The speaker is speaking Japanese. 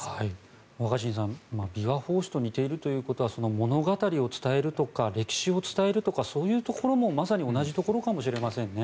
若新さん、琵琶法師と似ているということはその物語を伝えるとか歴史を伝えるとかそういうところも、まさに同じところかもしれませんね。